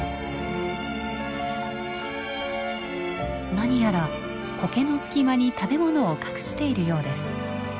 何やらコケの隙間に食べ物を隠しているようです。